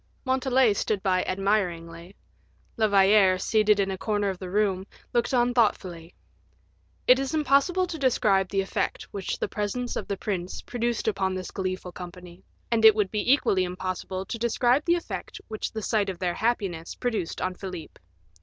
Montalais stood by admiringly; La Valliere, seated in a corner of the room, looked on thoughtfully. It is impossible to describe the effect which the presence of the prince produced upon this gleeful company, and it would be equally impossible to describe the effect which the sight of their happiness produced upon Philip.